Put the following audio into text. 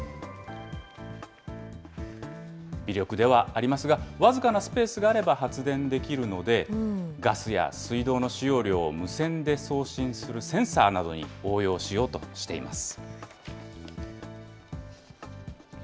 微力ではありますが、僅かなスペースがあれば、発電できるので、ガスや水道の使用量を無線で送信するセンサーなどに応用しようとしています。